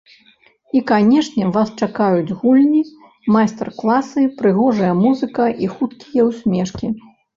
І канешне вас чакаюць гульні і майстар-классы, прыгожая музыка і хуткія усмешкі!